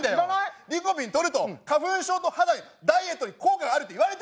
リコピンとると花粉症と肌にダイエットに効果があると言われてんだよ！